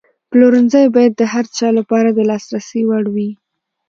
پلورنځی باید د هر چا لپاره د لاسرسي وړ وي.